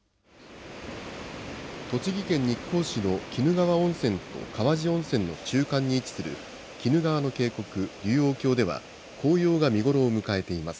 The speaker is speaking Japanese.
栃木県日光市の鬼怒川温泉と川治温泉の中間に位置する鬼怒川の渓谷、龍王峡では、紅葉が見頃を迎えています。